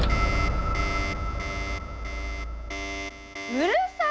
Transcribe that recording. うるさい！